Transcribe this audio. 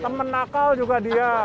temen nakal juga dia